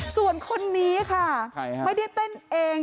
ส่วนคนนี้ค่ะไม่ได้เต้นเอง